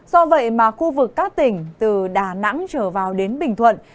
do vậy mà khu vực các tỉnh từ đà nẵng trở vào đến bình thuận